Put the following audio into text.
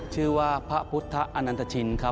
ชื่อว่าพระพุทธอนันตชินครับ